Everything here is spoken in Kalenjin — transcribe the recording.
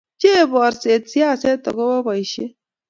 pchee borset siaset ago boishet